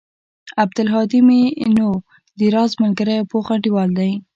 عبدالهادى مې نو د راز ملگرى او پوخ انډيوال و.